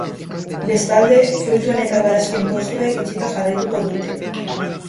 Bestalde, fruituen eta barazkien postuek itxita jarraituko dute.